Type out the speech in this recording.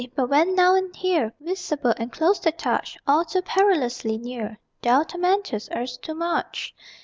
But when now and here, Visible and close to touch, All too perilously near, Thou tormentest us too much!